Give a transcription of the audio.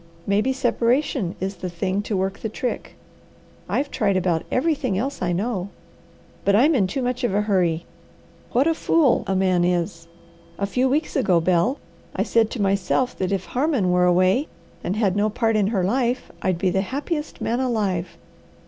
Maybe separation is the thing to work the trick. I've tried about everything else I know. "But I'm in too much of a hurry! What a fool a man is! A few weeks ago, Bel, I said to myself that if Harmon were away and had no part in her life I'd be the happiest man alive.